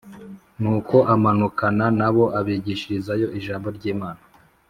nuko amanukana na bo abigishirizayo ijambo ry’imana